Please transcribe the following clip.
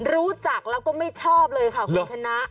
รู้จักแล้วก็ไม่ชอบเลยค่ะคุณชนะ